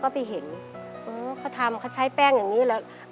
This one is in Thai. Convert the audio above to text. ก็ไปเห็นเขาทำเขาใช้แป้งอย่างนี้เหรอ